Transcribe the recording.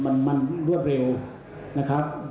แต่ในสถานการณ์ตรงนั้นมันรวดเร็ว